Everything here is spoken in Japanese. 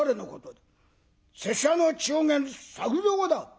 「拙者の中間作蔵だ」。